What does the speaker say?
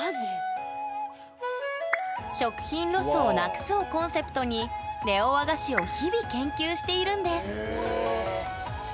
食品ロスをなくすをコンセプトにネオ和菓子を日々研究しているんですへえ。